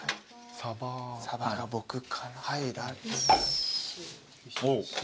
サバが僕か。